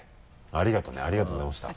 ありがとねありがとうございました。